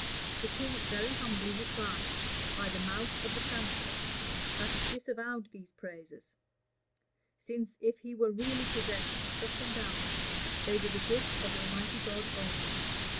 The king very humbly replied, by the mouth cf the chancellor, that he disavowed these praises; since, if he were really possessed of such endowments, they were the gift of Almighty God only.